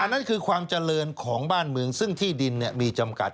นั่นคือความเจริญของบ้านเมืองซึ่งที่ดินมีจำกัด